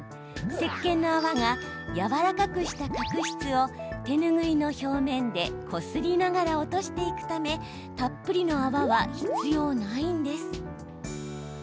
せっけんの泡がやわらかくした角質を手ぬぐいの表面でこすりながら落としていくためたっぷりの泡は必要ないんです。